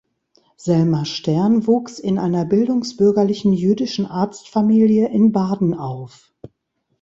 Selma Stern wuchs in einer bildungsbürgerlichen jüdischen Arztfamilie in Baden auf.